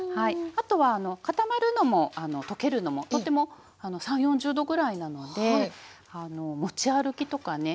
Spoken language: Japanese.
あとは固まるのも溶けるのもとっても３０４０℃ぐらいなのであの持ち歩きとかね。